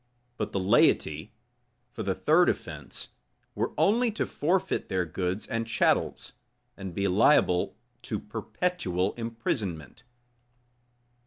But the laity, for the third offence, were only to forfeit their goods and chattels, and be liable to perpetual imprisonment.